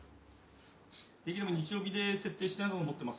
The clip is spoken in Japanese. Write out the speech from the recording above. できれば日曜日で設定したいと思ってます。